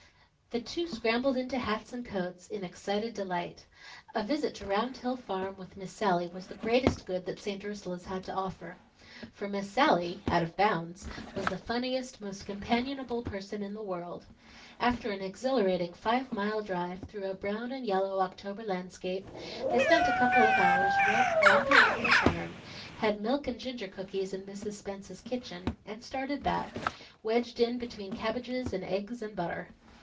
The two scrambled into hats and coats in excited delight. A visit to Round Hill Farm with Miss Sallie, was the greatest good that St. Ursula's had to offer. For Miss Sallie out of bounds was the funniest, most companionable person in the world. After an exhilarating five mile drive through a brown and yellow October landscape, they spent a couple of hours romping over the farm, had milk and ginger cookies in Mrs. Spence's kitchen; and started back, wedged in between cabbages and eggs and butter.